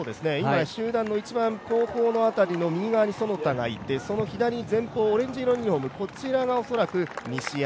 集団の一番後方辺りに其田がいてその右前方、オレンジ色のユニフォーム、こちらが恐らく西山。